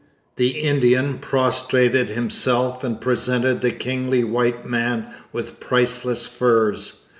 The Indian prostrated himself and presented the kingly white man with priceless furs.